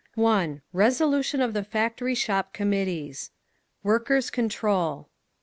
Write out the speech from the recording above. RESOLUTION OF THE FACTORY SHOP COMMITTEES Workers' Control 1.